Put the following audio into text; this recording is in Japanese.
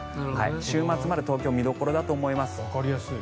週末まで東京見どころだと思います。